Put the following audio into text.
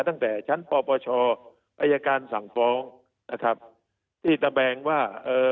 ตั้งแต่ชั้นปอปชอัยการสังฤทธิ์ที่ตะแบงว่า